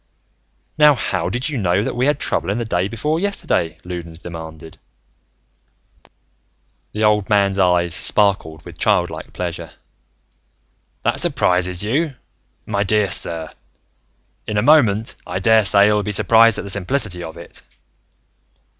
"Now how did you know that we had trouble the day before yesterday?" Loudons demanded. The old man's eyes sparkled with child like pleasure. "That surprises you, my dear sir? In a moment, I daresay you'll be surprised at the simplicity of it.